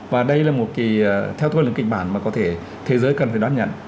và đây là một kỳ theo tôi là kịch bản mà có thể thế giới cần phải đoán nhận